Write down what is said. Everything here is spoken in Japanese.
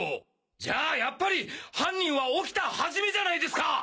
じゃあやっぱり犯人は沖田一じゃないですか！